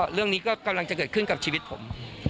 เรื่องนี้ก็กำลังจะเกิดขึ้นกับชีวิตผม